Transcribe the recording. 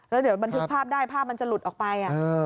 แล้วเดี๋ยวบันทึกภาพได้ภาพมันจะหลุดออกไป